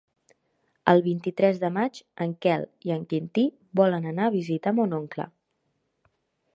El vint-i-tres de maig en Quel i en Quintí volen anar a visitar mon oncle.